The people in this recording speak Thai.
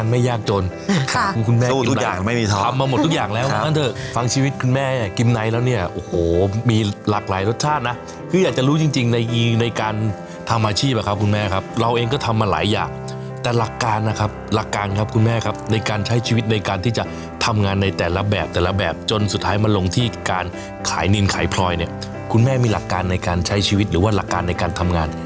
หลากหลายรสชาตินะคืออยากจะรู้จริงจริงในในการทำอาชีพอ่ะครับคุณแม่ครับเราเองก็ทำมาหลายอย่างแต่หลักการนะครับหลักการครับคุณแม่ครับในการใช้ชีวิตในการที่จะทำงานในแต่ละแบบแต่ละแบบจนสุดท้ายมาลงที่การขายนินขายพลอยเนี่ยคุณแม่มีหลักการในการใช้ชีวิตหรือว่าหลักการในการท